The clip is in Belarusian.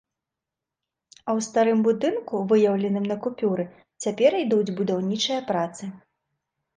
А ў старым будынку, выяўленым на купюры, цяпер ідуць будаўнічыя працы.